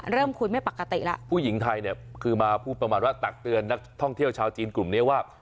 เริ่มคุยไม่ปกติแล้วผู้หญิงไทยเนี่ยคือมาพูดประมาณว่าตักเตือนนักท่องเที่ยวชาวจีนกลุ่มนี้ว่า